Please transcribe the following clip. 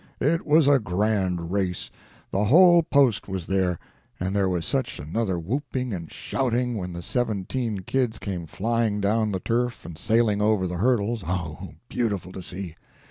"It was a grand race. The whole post was there, and there was such another whooping and shouting when the seventeen kids came flying down the turf and sailing over the hurdles—oh, beautiful to see!